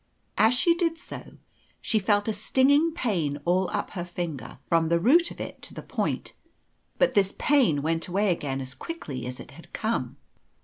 As she did so, she felt a stinging pain all up her finger, from the root of it to the point; but this pain went away again as quickly as it had come.